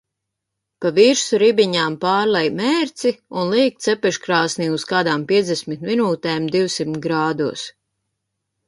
Pa virsu ribiņām pārlej mērci un liek cepeškrāsnī uz kādām piecdesmit minūtēm divsimt grādos.